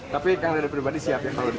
tapi kang dari pribadi siap ya